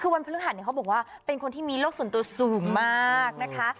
คือวันพฤหัสเขาบอกว่าเป็นคนที่มีโลกส่วนตัวสูงมากนะคะ